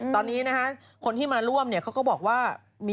ตอนนี้นะฮะคนที่มาร่วมเนี่ยเขาก็บอกว่า